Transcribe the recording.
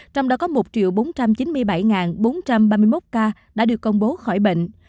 trong đó có một bốn trăm chín mươi bảy bốn trăm ba mươi một ca đã được công bố khỏi bệnh